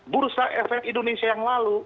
bursa efek indonesia yang lalu